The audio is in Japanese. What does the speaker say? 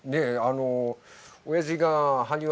おやじが埴輪